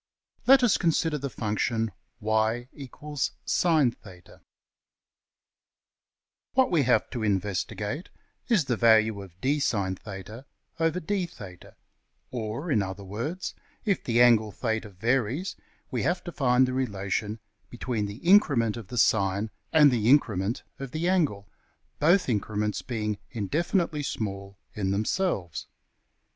Let us consider the function \[ y= \sin \theta. \] \Figure{177a} What we have to investigate is the value of $\dfrac{d(\sin \theta)}{d \theta}$; or, in other words, if the angle~$\theta$ varies, we have to find the relation between the increment of the sine and the increment of the angle, both increments being indefinitely small in themselves.